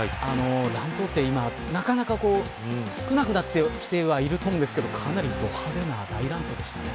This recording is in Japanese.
乱闘って今、なかなか少なくなってきてはいると思うんですがかなりど派手な大乱闘でしたね。